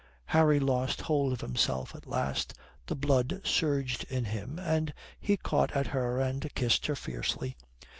Harry lost hold of himself at last. The blood surged in him, and he caught at her and kissed her fiercely.